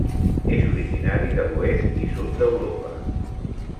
És originari de l'oest i sud d'Europa.